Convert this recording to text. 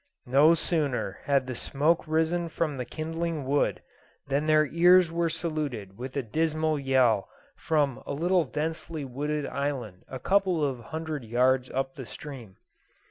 No sooner had the smoke risen from the kindling wood, than their ears were saluted with a dismal yell from a little densely wooded island a couple of hundred yards up the stream.